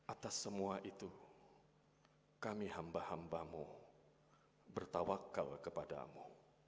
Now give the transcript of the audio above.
atas semua itu kami hamba hambamu bertawakal kepadamu